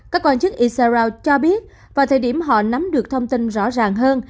các quan chức isaa cho biết vào thời điểm họ nắm được thông tin rõ ràng hơn